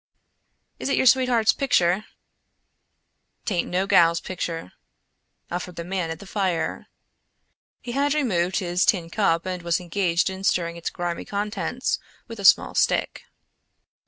"Is it your sweet heart's picture?" "'Taint no gal's picture," offered the man at the fire. He had removed his tin cup and was engaged in stirring its grimy contents with a small stick.